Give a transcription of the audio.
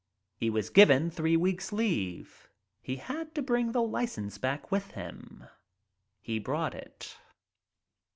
He was given three weeks' leave. He had to bring the license back with him. He brought it.